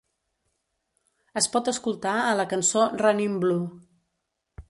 Es pot escoltar a la cançó "Runnin' Blue".